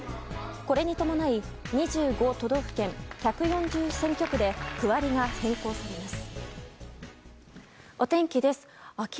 これに伴い２５都道府県、１４０選挙区で区割りが変更されます。